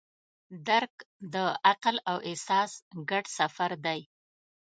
درک د عقل او احساس ګډ سفر دی.